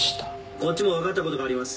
こっちも分かったことがあります。